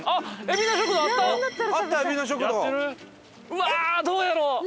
うわあどうやろう？